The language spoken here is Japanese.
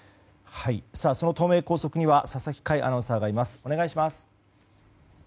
その東名高速には佐々木快アナウンサーがいます。